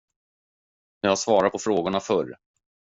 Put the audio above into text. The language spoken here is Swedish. Jag har svarat på frågorna förr.